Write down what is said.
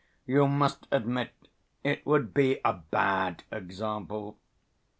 you must admit it would be a bad example.